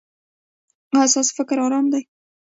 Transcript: ایا ستاسو فکر ارام دی؟